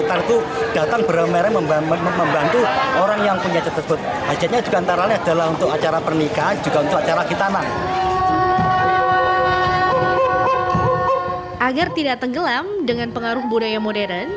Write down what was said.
agar tidak tenggelam dengan pengaruh budaya modern